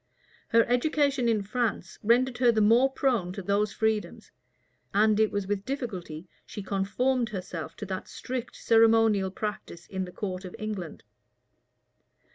Her education in France rendered her the more prone to those freedoms; and it was with difficulty she conformed herself to that strict ceremonial practised in the court of England.